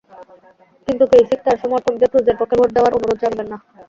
কিন্তু কেইসিক তাঁর সমর্থকদের ক্রুজের পক্ষে ভোট দেওয়ার অনুরোধ জানাবেন না।